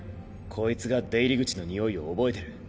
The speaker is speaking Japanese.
こいつが出入り口の匂いを覚えてる。